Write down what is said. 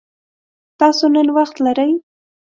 تاسو نن وخت لری؟